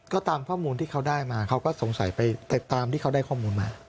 ก็ตามข้อมูลที่เขาได้มาเขาก็สงสัยไปตามที่เขาได้ข้อมูลมา